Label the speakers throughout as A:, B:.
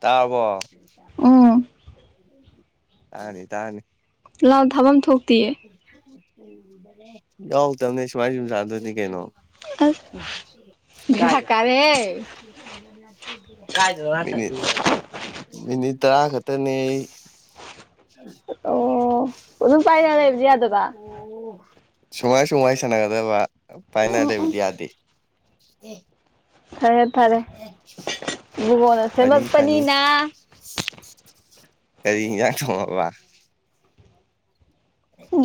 A: ꯇꯥꯔꯕꯣ
B: ꯎꯝ
A: ꯇꯥꯅꯤ ꯇꯥꯅꯤ
B: ꯂꯥꯎꯗ ꯊꯥꯐꯝ ꯊꯣꯛꯇꯤꯌꯦ
A: ꯌꯥꯎꯗꯝꯅꯦ ꯁꯨꯃꯥꯥꯏꯁꯨꯝ ꯁꯥꯟꯅꯗꯧꯅꯦ ꯀꯩꯅꯣ
B: ꯑꯁ ꯕꯦꯔꯥ ꯀꯥꯔꯦ
A: ꯃꯤꯅꯤꯠ ꯃꯤꯅꯤꯠ ꯇꯔꯥ ꯈꯛꯇꯅꯦ
B: ꯑꯣ ꯑꯣ ꯑꯗꯨꯝ ꯄꯥꯏꯗ ꯂꯩꯕꯗꯤ ꯌꯥꯗꯕ
A: ꯁꯨꯃꯥꯏ ꯁꯨꯃꯥꯏ ꯁꯥꯟꯅꯒꯗꯕ ꯐꯥꯏꯅ ꯂꯩ
B: ꯎꯝ ꯎꯝ
A: ꯂꯩꯕꯗꯤ ꯌꯥꯗꯦ ꯑꯦ
B: ꯐꯔꯦ ꯐꯔꯦ ꯒꯒꯣꯟꯅ
A: ꯐꯅꯤ ꯐꯅꯤ
B: ꯁꯦꯝꯃꯛꯄꯅꯤꯅ
A: ꯀꯔꯤ ꯏꯡꯖꯥꯛ ꯊꯣꯡꯉꯕ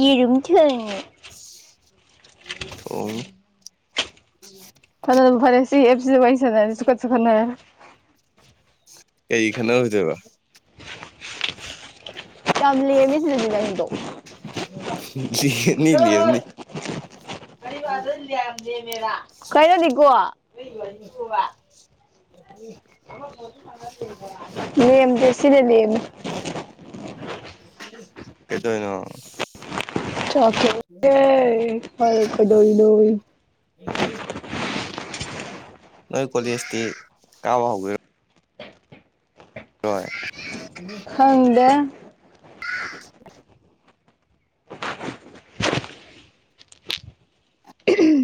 B: ꯌꯦꯔꯝ ꯊꯤꯂꯟꯂꯤꯅꯦ ꯑꯣ
A: ꯊꯣꯡ
B: ꯐꯅꯗꯨꯝ ꯐꯔꯦ ꯁꯤ ꯑꯦꯞꯁꯤ ꯋꯥꯔꯤ ꯁꯥꯟꯅꯔꯦ ꯁꯨꯈꯁꯨ ꯈꯅꯔꯦ
A: ꯀꯩ ꯈꯟꯅ ꯍꯧꯗꯣꯢꯕ
B: ꯌꯥꯝꯂꯦꯝꯃꯦ ꯁꯤꯗꯗꯤ ꯅꯪꯗꯣ
A: [unintelligible] ꯍꯤꯠꯅꯤ ꯂꯤꯌꯣꯅꯤ
B: ꯂꯦꯝꯃꯦꯕ ꯀꯩꯅꯣ ꯗꯤꯒꯣ
A: ꯎꯝ
B: ꯅꯪ ꯌꯥꯝ ꯉꯁꯤꯗꯤ ꯂꯦꯝꯃꯦ
A: ꯀꯩꯗꯩꯋꯤꯅꯣ
B: ꯆꯥꯛ ꯊꯣꯡꯗꯦ ꯃꯔꯨꯞ ꯀꯩꯗꯣꯏꯋꯤꯅꯣꯌꯦ
A: ꯅꯣꯏ ꯀꯣꯂꯦꯖꯀꯤ ꯀꯥꯕ ꯍꯧꯒ꯭ꯔꯦ ꯍꯣꯏ
B: ꯈꯪꯗꯦ
A: [unintelligible]
B: ꯎꯝ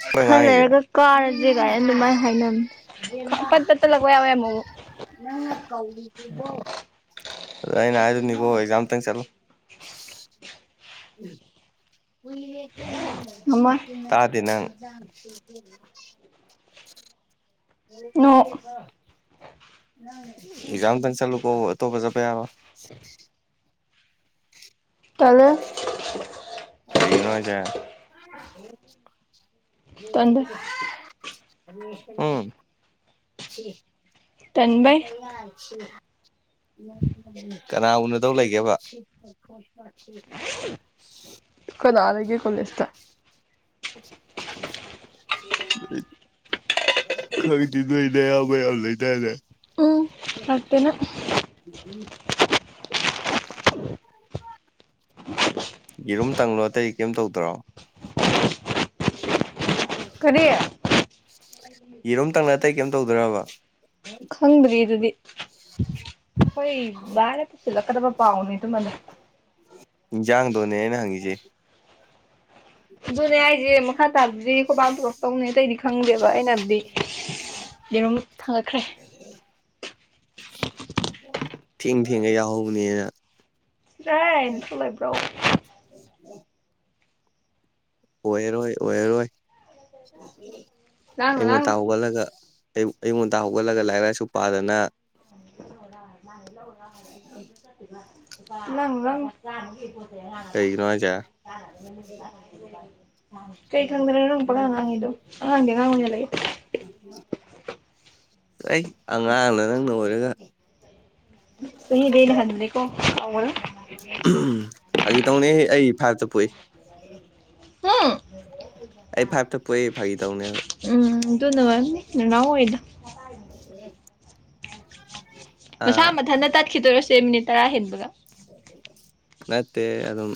A: ꯑꯩꯈꯣꯏ
B: ꯈꯔ
A: ꯉꯥꯡꯉꯤꯁꯦ
B: ꯂꯩꯔꯒ ꯀꯥꯔꯗꯦ ꯀꯥꯏꯅ ꯑꯗꯨꯃꯥꯏꯅ ꯍꯥꯏꯅꯕꯅꯤ ꯄꯠ ꯄꯠ ꯇꯠ ꯂꯛꯄ ꯌꯥꯋ ꯑꯃꯨꯛꯛ
A: ꯑꯗ ꯑꯩꯅ ꯍꯥꯏꯗꯣꯅꯤꯀꯣ ꯑꯦꯛꯖꯥꯝ ꯇꯪ ꯆꯠꯂꯣ ꯎꯝ ꯎꯢꯌꯦ ꯈꯣꯡꯅꯝ
B: ꯉꯝꯃꯣꯏ
A: ꯇꯥꯗꯦ ꯅꯪ ꯇꯥꯡ ꯁꯤꯗꯤ [unintelligible]
B: ꯅꯣꯡ
A: [unintelligible] ꯑꯦꯛꯖꯥꯝꯗꯪ ꯆꯂꯨꯀꯣ ꯑꯇꯣꯞꯄ ꯆꯠꯄ ꯌꯥꯔꯣꯢ
B: ꯇꯜꯂ
A: ꯀꯩꯉꯥ ꯆꯥ
B: ꯇꯟꯕꯩ
A: ꯂꯥꯎ ꯎꯝ [inaudible] ꯀꯆꯤꯟ
B: ꯇꯟꯕꯩ
A: ꯀꯌꯥꯁꯤ [inaudible] ꯀꯅꯥ ꯎꯅꯗꯧ ꯂꯩꯒꯦꯕ
B: ꯀꯅꯥ ꯂꯩꯒꯦ ꯀꯣꯂꯦꯁꯇ
A: [inaudible] ꯈꯔꯗꯤ ꯅꯣꯢ ꯅꯌꯥꯝꯕ ꯌꯥꯝ ꯂꯩꯗꯥꯏꯅꯦ
B: ꯑꯠꯇꯅ
A: ꯎꯝ ꯎꯝ [inaudible] ꯌꯦꯔꯨꯝ ꯇꯪꯂꯣ ꯑꯇꯩ ꯀꯦꯝ ꯇꯧꯗ꯭ꯔꯣ [unintelligible]
B: ꯀꯔꯤ
A: ꯌꯦꯔꯨꯝꯇꯪꯂ ꯑꯇꯩ ꯀꯩꯝ ꯇꯧꯗ꯭ꯔꯕ
B: ꯈꯪꯗ꯭ꯔꯤ ꯑꯗꯨꯗꯤ ꯍꯣꯏ ꯕꯥꯅ ꯄꯨꯁꯤꯟ ꯂꯛ ꯈꯠꯅꯕ ꯄꯥꯝꯒꯅꯨ ꯏꯗꯨꯃꯥꯏꯅ
A: ꯏꯟꯁꯥꯡꯗꯣꯅꯦ ꯑꯩꯅ ꯍꯪꯉꯤꯁꯦ
B: ꯗꯨꯅꯦ ꯍꯥꯏꯖꯦ ꯃꯈꯟ ꯇꯕꯗꯨꯗꯤ ꯈꯨꯣꯏ ꯕꯥꯥꯅ ꯄꯨꯔꯛꯇꯧꯅꯤ ꯑꯇꯩꯗꯤ ꯈꯪꯗꯦꯕ ꯑꯩꯅ ꯗꯨꯗꯤ ꯌꯦꯔꯨꯝ ꯊꯥꯡꯒꯠꯈ꯭ꯔꯦ
A: [inaudible] ꯊꯦꯡ ꯊꯦꯡꯒꯩ ꯌꯥꯎꯍꯧꯅꯦꯅ
B: ꯆꯂꯍꯦ ꯅꯊꯧ ꯂꯩꯕ꯭ꯔꯣ
A: ꯑꯣꯏꯔꯣꯏ ꯑꯣꯏꯔꯣꯏ
B: ꯂꯥꯡꯅꯨ
A: ꯑꯌꯨꯛ
B: ꯂꯥꯡꯅꯨ
A: ꯉꯟꯇ ꯍꯧꯒꯠꯂꯒ ꯑꯩ ꯑꯩꯌꯨꯛ ꯉꯟꯇ ꯍꯧꯒꯠꯂꯒ ꯂꯥꯏꯔꯤꯛ ꯂꯥꯏꯁꯨ ꯄꯥꯗꯅ
B: [unintelligible] [inaudible] ꯅꯪ ꯅꯪ [unintelligible]
A: ꯀꯩꯒꯤꯅꯣ ꯍꯥꯏꯁꯦ
B: ꯀꯩ ꯈꯪꯗꯅ ꯅꯪꯅ ꯄꯉꯥꯡ ꯉꯥꯡꯉꯤꯗꯨ ꯑꯉꯥꯡꯗꯤ ꯑꯉꯥꯡ ꯑꯣꯢꯅ ꯂꯩꯌꯨ
A: ꯑꯩꯁ ꯑꯉꯥꯡꯅ ꯅꯪꯅ ꯑꯣꯏꯔꯒ
B: ꯆꯍꯤꯗꯤ ꯑꯩꯅ ꯍꯟꯕꯅꯦꯀꯣ ꯀꯥꯎꯒꯅꯨ
A: ꯐꯥꯒꯤ ꯇꯧꯅꯦ ꯑꯩ ꯐꯥꯏꯞꯇ ꯄꯣꯛꯏ
B: ꯍꯨꯝ
A: ꯑꯩ ꯐꯥꯏꯞꯇ ꯄꯣꯛꯏ ꯐꯥꯒꯤ ꯇꯧꯅꯦꯕ
B: ꯎꯝ ꯑꯗꯨꯅ ꯑꯣꯏꯔꯝꯅꯤ ꯅꯅꯥꯎ ꯍꯣꯏꯗꯣ
A: ꯑꯥ
B: ꯃꯁꯥ ꯃꯊꯟꯇ ꯇꯠꯈꯤꯗꯣꯏꯔꯁꯦ ꯃꯤꯅꯤꯠ ꯇꯔꯥ ꯍꯦꯟꯕꯒ
A: ꯅꯠꯇꯦ ꯑꯗꯨꯝ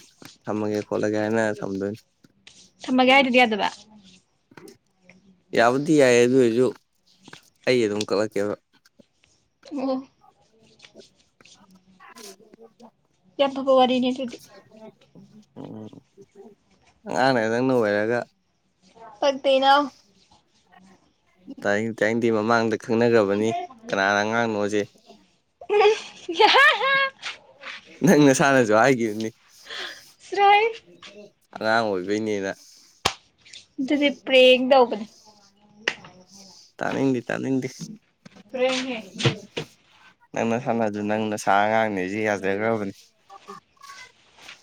A: ꯊꯝꯃꯒꯦ ꯈꯣꯠꯂꯒꯦ ꯍꯥꯏꯅꯔ ꯊꯝꯗꯣꯏꯅꯤ
B: ꯊꯝꯃꯒꯦ ꯍꯥꯏꯗꯨꯗꯤ ꯌꯥꯗꯕ
A: ꯌꯥꯕꯨꯗꯤ ꯌꯥꯏ ꯑꯗꯨ ꯑꯣꯏꯔꯁꯨ ꯑꯩ ꯑꯗꯨꯝ ꯀꯛꯂꯛꯀꯦꯕ
B: ꯑꯣ
A: [inaudible]
B: ꯌꯥꯝ ꯐꯕ ꯋꯥꯔꯤꯅꯦ ꯑꯗꯨꯗꯤ
A: ꯎꯝ ꯑꯉꯥꯡꯅ ꯅꯪꯅ ꯑꯣꯏꯔꯒ
B: ꯄꯟꯇꯦꯅꯝ
A: ꯇꯥꯢꯡ ꯇꯥꯏꯡ ꯗꯤ ꯃꯃꯥꯡꯗ ꯈꯪꯅꯈ꯭ꯔꯕꯅꯤ ꯀꯅꯥꯅ ꯑꯉꯥꯡꯅꯣꯁꯦ
B: [inaudible]
A: ꯅꯪ ꯅꯁꯥꯅꯁꯨ ꯍꯥꯏꯒꯤꯕꯅꯤ [inaudible] ꯑꯉꯥꯡ ꯑꯣꯏꯕꯩꯅꯤꯗ
B: ꯑꯗꯨꯗꯤ ꯄ꯭ꯔꯦꯡ ꯊꯧꯕꯅꯦ
A: ꯇꯥꯅꯤꯡꯗꯦ ꯇꯥꯅꯤꯡꯗꯦ
B: ꯄ꯭ꯔꯦꯡ ꯍꯦ
A: ꯅꯪ ꯅꯁꯥꯅꯗꯨ ꯅꯪ ꯅꯁꯥ ꯑꯉꯥꯡꯅꯦꯖꯦ ꯌꯥꯖꯈ꯭ꯔꯕꯅꯦ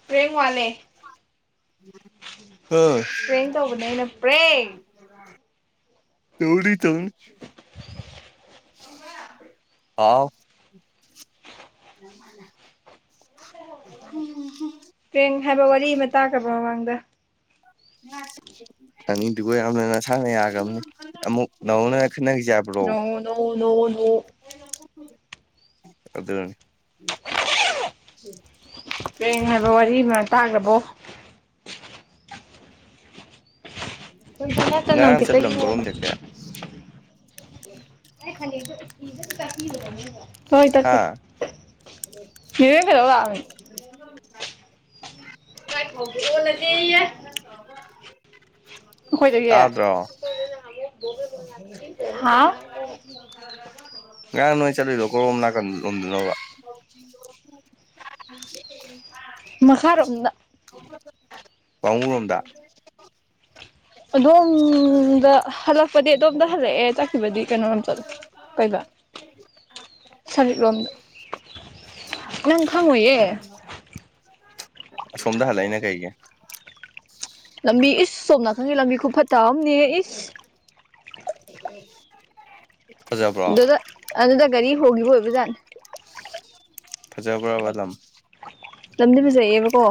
B: ꯄ꯭ꯔꯦꯡ ꯋꯥꯠꯂꯦ
A: ꯑ
B: ꯄ꯭ꯔꯦꯡ ꯇꯧꯕꯅꯦ ꯑꯩꯅ ꯄ꯭ꯔꯦꯡ
A: ꯇꯧꯅꯤ ꯇꯧꯅꯤ ꯑꯇꯣꯝꯕ ꯍꯥꯎ [inaudible]
B: ꯄ꯭ꯔꯦꯡ ꯍꯥꯏꯕ ꯋꯥꯔꯤ ꯑꯃ ꯇꯥꯈ꯭ꯔꯕꯣ ꯃꯃꯥꯡꯗ
A: ꯑꯅꯤꯗꯨꯒ ꯌꯥꯎꯅ ꯅꯁꯥꯅ ꯌꯥꯒ꯭ꯔꯝꯅꯤ ꯑꯃꯨꯛ ꯅꯧꯍꯧꯅꯅ
B: ꯅꯣ ꯅꯣ ꯅꯣ ꯅꯣ
A: ꯑꯗꯨꯅꯦ
B: ꯄ꯭ꯔꯦꯡ ꯍꯥꯏꯕ ꯋꯥꯔꯤ ꯑꯃ ꯇꯥꯈ꯭ꯔꯕꯣ ꯍꯣꯏ ꯆꯅꯝ
A: ꯉꯔꯥꯡ
B: ꯈꯤꯇ
A: ꯆꯠꯂꯝ
B: ꯌꯣꯝꯃꯨ
A: ꯀꯔꯣꯝ ꯗꯩꯀꯦ ꯑꯦ
B: ꯑꯩ ꯐꯥꯅꯦꯛꯇꯣ ꯢꯁꯇ꯭ꯔꯤ ꯑꯝꯇ ꯇꯛꯄꯤꯌꯨꯗ ꯅꯣꯢꯕꯣ ꯍꯣꯏ ꯇꯛꯀꯦ
A: ꯍꯥ
B: ꯅꯦꯍꯣꯏ ꯀꯩꯗꯧ ꯂꯥꯛꯑꯝꯃꯤ [inaudible]
A: [inaudible] [inaudible]
B: ꯑꯩꯈꯣꯏꯗꯒꯤ
A: ꯇꯥꯗ꯭ꯔꯣ
B: ꯍꯥ
A: ꯉꯔꯥꯡ ꯅꯣꯏ ꯆꯠꯂꯨꯢꯗꯣ ꯀꯣꯔꯣꯝ ꯅꯥꯀꯟ ꯎꯝꯗꯂꯣꯕ [inaudible]
B: ꯃꯈꯥꯔꯣꯝꯗ
A: ꯋꯥꯡꯉꯨ ꯔꯣꯝꯗ
B: ꯑꯗꯣꯝꯗ ꯍꯜꯂꯛꯄꯗꯤ ꯑꯗꯣꯝꯗ ꯍꯜꯂꯛꯑꯦ ꯆꯠꯈꯤꯕꯗꯤ ꯀꯩꯅꯣꯔꯣꯝ ꯆꯠꯂꯦ ꯀꯩꯕ ꯁꯔꯤꯠ ꯂꯣꯝꯗ ꯅꯪ ꯈꯪꯉꯣꯏꯌꯦ
A: ꯑꯁꯣꯝꯗ ꯍꯜꯂꯛꯏꯅ ꯀꯩꯒꯤ
B: ꯂꯝꯕꯤ ꯏꯁ ꯁꯣꯝꯅꯥ ꯅꯪꯒꯤ ꯂꯝꯕꯤ ꯈꯨꯐꯠꯇ ꯑꯝꯅꯦꯍꯦ ꯏꯁ
A: [inaudible] ꯐꯖꯕ꯭ꯔꯣ
B: ꯑꯗꯨꯗ ꯑꯗꯨꯗ ꯒꯥꯔꯤ ꯍꯣꯒꯤꯕ ꯑꯣꯏꯕꯖꯥꯠꯅꯦ
A: ꯐꯖꯕ꯭ꯔꯕ ꯂꯝ
B: ꯂꯝꯗꯤ ꯐꯖꯩꯑꯦꯕꯀꯣ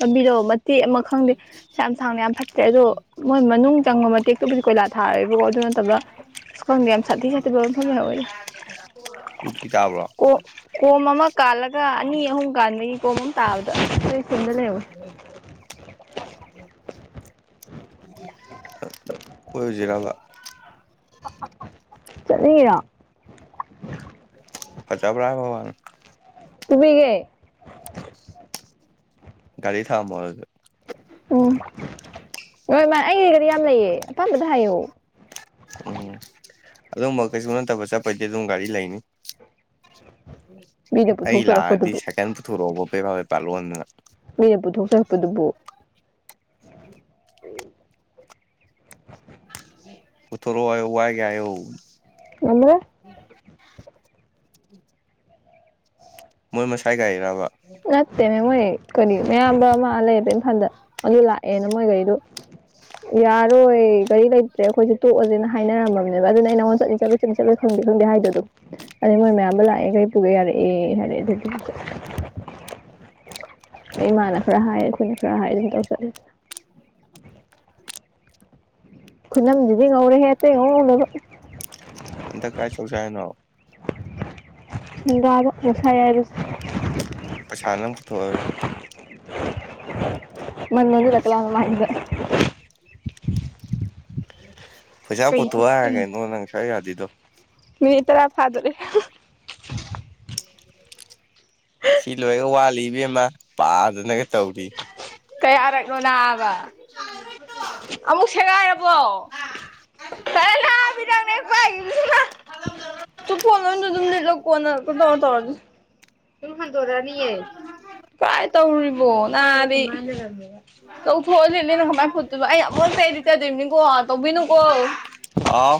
B: ꯂꯝꯕꯤꯗꯣ ꯇꯦ ꯑꯃ ꯈꯪꯗꯦ ꯌꯥꯝ ꯁꯥꯡꯅ ꯌꯥꯝ ꯐꯠꯇ꯭ꯔꯦ ꯑꯗꯣ ꯃꯣꯏ ꯃꯅꯨꯡꯗ ꯈꯪ ꯃꯇꯦꯛꯇꯨꯕꯨꯗꯤ ꯀꯣꯏꯂꯥ ꯊꯥꯔꯦꯕꯀꯣ ꯑꯗꯨ ꯅꯠꯇꯕ ꯑ ꯈꯪꯗꯦ ꯌꯥꯝ ꯁꯥꯊꯤ ꯁꯥꯊꯤꯕ ꯃꯐꯝ ꯂꯩꯍꯧꯋꯦꯗ
A: ꯀꯨꯀꯤ ꯇꯥꯕ꯭ꯔꯣ
B: ꯀꯣ ꯀꯣꯝ ꯑꯃ ꯀꯥꯜꯂꯒ ꯃꯤ ꯑꯍꯨꯝ ꯀꯥꯟꯕꯒꯤ ꯀꯣꯝ ꯑꯃ ꯇꯥꯕꯗ ꯑꯩ ꯊꯨꯟꯗ ꯂꯩꯍꯧꯋꯦ
A: [inaudible] [inaudible] ꯀꯣꯏꯔꯨꯖꯤꯔꯕ
B: ꯆꯠꯅꯤꯡꯉꯤꯔꯣ
A: ꯐꯖꯕ꯭ꯔ ꯍꯥꯏꯕꯋꯅꯦ
B: ꯄꯨꯕꯤꯒꯦ
A: ꯒꯥꯔꯤ ꯊꯃꯝꯃꯣ ꯑꯗꯨꯗꯤ
B: ꯎꯝ ꯅꯣꯏ ꯃꯥ ꯑꯩꯒꯤꯗꯤ ꯌꯥꯝ ꯂꯩꯌꯦ ꯑꯄꯥꯝꯕꯗ ꯍꯥꯏꯌꯨ
A: ꯎꯝ ꯑꯗꯨꯝꯕ ꯀꯩꯁꯨ ꯅꯠꯇꯕ ꯆꯠꯄꯩꯗꯤ ꯑꯗꯨꯝ ꯒꯥꯔꯤ ꯂꯩꯅꯤ
B: ꯃꯤꯅ
A: ꯑꯩ ꯂꯥꯛꯑꯗꯤ
B: ꯄꯨꯊꯣꯛꯆꯔꯛꯄꯗꯨꯕꯨ
A: ꯁꯥꯏꯀꯟ ꯄꯨꯊꯣꯔꯛꯑꯣꯕ [unintelligible]
B: ꯃꯤꯅ ꯄꯨꯊꯣꯛꯆꯔꯛꯄꯗꯨꯕꯨ
A: ꯄꯨꯊꯣꯔꯛꯑꯣ ꯍꯥꯏꯌꯣ ꯋꯥꯏꯒꯦ ꯍꯥꯏꯌꯣ
B: ꯉꯝꯃꯔꯣꯏ
A: ꯃꯣꯏ ꯃꯁꯥꯏꯒꯥꯔꯤꯔꯕ
B: ꯅꯠꯇꯦꯅꯦ ꯃꯣꯏ ꯀꯔꯤ ꯃꯌꯥꯝꯕ ꯑ ꯂꯩꯌꯦꯗꯣ ꯏꯝꯐꯥꯜꯗ ꯑꯗꯨ ꯂꯥꯛꯑꯦꯅ ꯃꯣꯏ ꯒꯥꯔꯤꯗꯣ ꯌꯥꯔꯔꯣꯏ ꯒꯥꯔꯤ ꯂꯩꯇ꯭ꯔꯦ ꯑꯩꯈꯣꯏꯁꯨ ꯇꯣꯛꯑꯁꯦꯅ ꯍꯥꯏꯅꯔꯝꯃꯅꯦꯕ ꯑꯗꯨꯅ ꯅꯉꯣꯟ ꯆꯠꯅꯤ ꯆꯠꯂꯣꯏ ꯁꯤꯡ ꯆꯠꯂꯣꯏꯁꯤꯡ ꯈꯪꯗꯦ ꯍꯥꯏꯗꯗꯣ ꯑꯗꯩ ꯃꯣꯏ ꯃꯌꯥꯝꯕ ꯂꯥꯛꯑꯦ ꯒꯥꯔꯤ ꯄꯨꯒꯦ ꯌꯥꯔꯛꯑꯦ ꯍꯥꯏꯔꯦ ꯑꯗꯨ ꯑꯗꯩ ꯃꯥꯅ ꯈꯔ ꯍꯥꯏ ꯑꯈꯣꯏꯅ ꯈꯔ ꯍꯥꯏ ꯑꯗꯨꯒ ꯇꯧ ꯆꯠꯂꯤꯅꯤ ꯈꯨꯅꯝꯗꯨꯗꯤ ꯉꯧꯔꯦꯍꯦ ꯑꯇꯩ ꯉꯧ ꯉꯧꯗꯕ
A: ꯍꯟꯗꯛ ꯀꯥꯏ ꯆꯧꯁꯦ ꯍꯥꯏꯅꯣ
B: ꯁꯦꯟꯗ꯭ꯔꯥꯗ ꯉꯁꯥꯏ ꯍꯥꯏꯕꯁꯦ
A: [inaudible] ꯄꯩꯁꯥ ꯅꯪ ꯄꯨꯊꯣꯛꯑꯣꯗ
B: [inaudible] [unintelligible] [unintelligible]
A: ꯄꯩꯁꯥ
B: ꯀꯩ
A: ꯄꯨꯊꯣꯛꯑꯣ ꯍꯥꯏꯔꯒꯥ
B: ꯊꯣꯛꯆꯤꯟ
A: ꯀꯔꯤꯒꯤꯅꯣ ꯅꯪꯅ ꯁꯨꯛꯌꯥ ꯌꯥꯗ꯭ꯔꯤꯗꯣ
B: ꯃꯤꯅꯠ ꯇꯔꯥ ꯐꯥꯗꯣꯔꯦ
A: ꯁꯤ ꯂꯣꯏꯔꯒ ꯋꯥꯠꯂꯤ ꯏꯕꯦꯝꯃ ꯄꯥꯗꯅꯒ ꯇꯧꯔꯤ
B: ꯀꯌꯥꯔꯛꯅꯣ ꯁꯩꯒꯥꯢꯔ ꯕꯣ ꯀꯥꯔꯅꯥꯗ ꯑꯗꯨꯝ ꯀꯣꯟꯅ ꯇꯧꯔꯥ ꯇꯧꯔꯥ ꯁꯤ ꯁꯨꯝ ꯍꯟꯗꯣꯛ ꯑꯅꯤꯑꯦ ꯀꯥꯏ ꯇꯧꯔꯤꯕꯣ ꯅꯥꯗꯤ ꯇꯧꯊꯣꯛꯑꯁꯤꯅꯦꯅ ꯀꯃꯥꯏ ꯐꯨꯠꯇꯨꯅ ꯑꯩ ꯑꯃꯨꯔꯛ ꯆꯩꯗꯤ ꯆꯗꯣꯏꯔꯤꯕꯅꯤꯀꯣ ꯇꯧꯕꯤꯅꯨꯀꯣ
A: ꯑꯥꯎ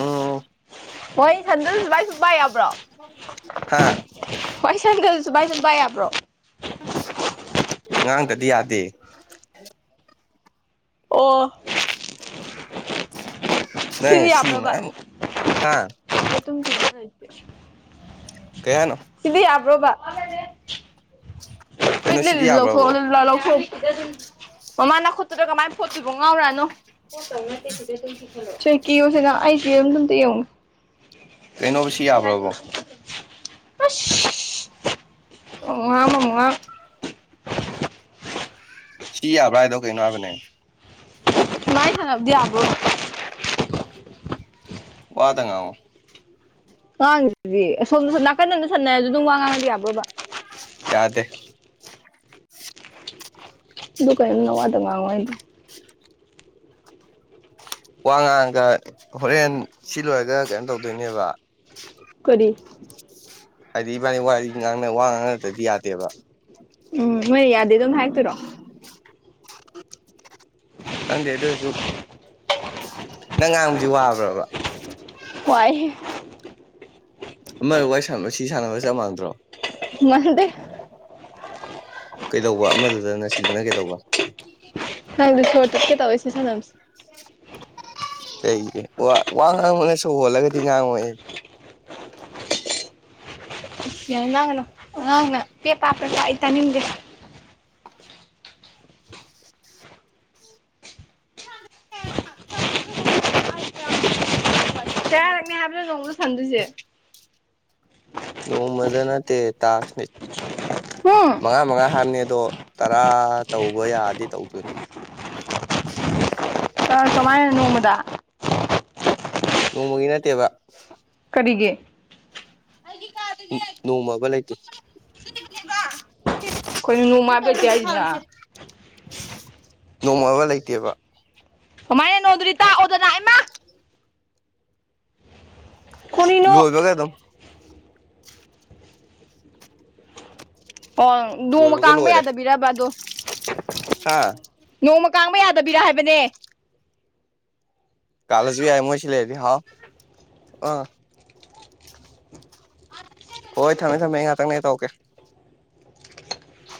A: ꯎꯝ
B: ꯆꯥꯔꯤ ꯁꯟꯗ꯭ꯔꯖꯨ ꯁꯨꯃꯥꯏ ꯁꯨꯡ ꯄꯥꯏ ꯌꯥꯕ꯭ꯔꯣ
A: ꯍꯥ
B: ꯋꯥꯔꯤ ꯁꯟꯗꯁꯨ ꯁꯨꯃꯥꯏꯁꯨꯝ ꯄꯥꯏ ꯌꯥꯕ꯭ꯔꯣ
A: ꯉꯥꯡꯗꯗꯤ ꯌꯥꯗꯦ
B: ꯑꯣ
A: ꯅꯪ
B: ꯁꯤꯗꯤ
A: ꯁꯤꯃꯥ ꯍꯥꯥ
B: ꯇꯨꯝꯈꯤꯕ ꯂꯩꯇꯦ
A: ꯀꯩ ꯍꯥꯢꯅꯣ
B: ꯕ꯭ꯔꯣꯕ [unintelligible]
A: ꯀꯩꯅꯣ ꯁꯤꯗꯤ ꯌꯥꯕ꯭ꯔꯕꯣ
B: [unintelligible] ꯃꯃꯥ ꯅꯈꯨꯠꯇꯨꯗ ꯀꯥꯃꯥꯏꯅ ꯐꯣꯠꯇꯨꯕ ꯉꯥꯎꯔꯥꯅꯨ ꯆꯀꯤ ꯎꯨꯝꯁꯤꯅ ꯑꯁꯤꯗꯨꯝ ꯌꯦꯟꯉꯣ
A: ꯀꯩꯅꯣꯕꯁꯤ ꯌꯥꯕ꯭ꯔꯕꯣ
B: ꯑꯨꯁ ꯑꯣꯃꯥ ꯃꯨꯛ [unintelligible]
A: ꯁꯤ ꯌꯥꯕ꯭ꯔꯥ ꯍꯥꯏꯗꯣ ꯀꯩꯅꯣ ꯍꯥꯏꯕꯅꯦ
B: ꯁꯨꯃꯥꯏꯅ ꯁꯟꯅꯕꯗꯤ ꯌꯥꯕ꯭ꯔꯣꯕ
A: ꯋꯥꯗꯪ ꯉꯥꯡꯉꯣ
B: ꯉꯥꯡꯖꯤꯗꯤ ꯁꯣꯝꯗ ꯅꯥꯀꯟꯗꯗ ꯁꯝꯅꯩꯔ ꯑꯗꯨ ꯑꯗꯨꯝ ꯋꯥ ꯉꯥꯡꯉꯗꯤ ꯌꯥꯕ꯭ꯔꯣꯕ
A: ꯌꯥꯗꯦ
B: ꯑꯗꯨ ꯀꯩꯅꯣ ꯅ ꯋꯥꯗꯨꯝ ꯉꯥꯡꯑꯣ ꯍꯥꯢ ꯗꯣ
A: ꯋꯥ ꯉꯥꯡꯉꯒ ꯍꯣꯔꯦꯟ ꯁꯤ ꯂꯣꯏꯔꯒ ꯀꯩꯅꯣ ꯇꯧꯗꯣꯏꯅꯦꯕ
B: ꯀꯔꯤ
A: ꯍꯥꯏꯗꯤ ꯏꯕꯥꯅꯤ ꯋꯥꯔꯤ ꯉꯥꯡꯅ ꯋꯥ ꯉꯥꯡꯅꯗ꯭ꯔꯗꯤ ꯌꯥꯗꯦꯕ
B: ꯎꯝ ꯃꯣꯏ ꯌꯥꯗꯦ ꯑꯗꯨꯝ ꯍꯥꯏꯔꯛꯇꯣꯏꯔꯣ
A: ꯈꯪꯗꯦ ꯑꯗꯨ ꯑꯣꯏꯔꯁꯨ ꯅꯪ ꯉꯥꯡꯕꯁꯤ ꯋꯥꯕ꯭ꯔꯕ
B: ꯋꯥꯢ ꯍꯦ
A: ꯑꯃ ꯋꯥꯔꯤ ꯁꯥꯟꯅꯕ ꯁꯤ ꯁꯥꯟꯅꯕ ꯆꯞ ꯃꯥꯟꯅꯗ꯭ꯔꯣ
B: ꯃꯥꯟꯗꯦ
A: ꯀꯩꯗꯧꯕ ꯑꯃꯗꯨꯗꯅ ꯁꯤꯗꯅ ꯀꯩꯗꯧꯕ
B: ꯑꯩꯕꯨ ꯁꯣꯔ ꯇꯠ ꯀꯦ ꯇꯧꯢ ꯑꯁꯤ ꯁꯥꯅꯕꯁꯦ
A: ꯑꯩꯗꯤ ꯋꯥ ꯋꯥ ꯉꯥꯡꯕꯒ ꯁꯣ ꯍꯣꯜꯂꯒꯗꯤ ꯉꯥꯡꯉꯣꯑꯦ
B: ꯑꯁ ꯌꯥꯔꯦ ꯉꯥꯡꯉꯅꯪ ꯄꯦꯄꯥ ꯄꯦꯄꯥ ꯑꯩ ꯇꯅꯤꯡꯗꯦꯕ
A: ꯑ ꯀꯌꯥꯝ ꯍꯛꯇ ꯁꯥꯕꯗꯤ ꯋꯥꯢ ꯁꯪꯗꯧꯅꯦꯕ
B: ꯇꯣꯡꯅ ꯁꯥꯟꯗꯨꯁꯦ
A: ꯅꯣꯡꯃꯗ ꯅꯠꯇꯦ ꯇ ꯇꯦ
B: ꯍꯨꯝ
A: ꯃꯉꯥ ꯃꯉꯥ ꯍꯥꯏꯕꯅꯦ ꯑꯗꯣ ꯇꯔꯥ ꯇꯧꯕ ꯌꯥꯔꯗꯤ ꯇꯧꯗꯣꯏꯅꯤ
B: ꯑ ꯀꯃꯥꯏꯅ ꯅꯣꯡꯃꯗ
A: ꯅꯣꯃꯒꯤ ꯅꯠꯇꯦꯕ
B: ꯒꯤ
A: ꯎꯝ ꯅꯣꯡꯃꯕ ꯂꯩꯇꯦ
B: ꯑꯈꯣꯏꯅ ꯅꯣꯡ ꯃꯥꯒꯦ ꯇꯌꯥꯖꯅꯥ
A: ꯅꯣꯡꯃꯕ ꯂꯩꯇꯦꯕ
B: ꯀꯃꯥꯏꯅꯦꯅꯣ ꯑꯗꯨꯗꯤ ꯇꯥꯛꯑꯣ ꯀꯅꯥꯥꯏꯃ ꯀꯔꯤꯅꯣ
A: ꯂꯣꯏꯕꯒ ꯑꯗꯨꯝ
B: ꯑꯣ ꯅꯣꯡꯃ
A: ꯂꯣꯏꯕꯒ
B: ꯀꯥꯡꯕ
A: ꯂꯣꯏꯔꯦ
B: ꯌꯥꯗꯕꯤꯔꯕ ꯑꯗꯣ
A: ꯍꯥ
B: ꯅꯣꯡꯃ ꯀꯥꯡꯕ ꯌꯥꯗꯕꯤꯔ ꯍꯥꯏꯕꯅꯦ
A: ꯀꯥꯂꯖꯖꯨ ꯌꯥꯏ ꯃꯣꯏꯁꯤ ꯂꯩꯔꯗꯤ ꯍꯥꯎ ꯑ ꯍꯣꯏ ꯊꯝꯃꯦ ꯊꯝꯃꯦ ꯉꯍꯥꯛꯇꯪ ꯂꯩꯔ ꯇꯧꯔꯛꯀꯦ ꯎꯝ